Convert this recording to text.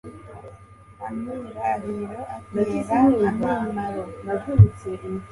amirariro atera amimaro